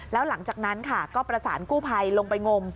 แล้วหลังจากนั้นค่ะก็ประสานกู้ภัยลงไปงม